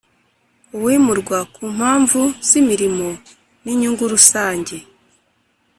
Uwimurwa ku mpamvu zimirimo ninyungu rusange